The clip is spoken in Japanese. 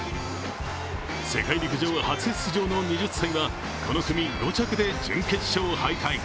世界陸上初出場の２０歳がこの組５着で準決勝敗退。